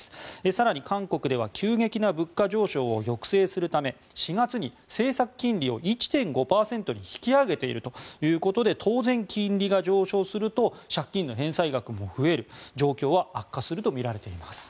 更に韓国では急激な物価上昇を抑制するため４月に政策金利を１．５％に引き上げているということで当然、金利が上昇すると借金の返済額も増える状況は悪化するとみられています。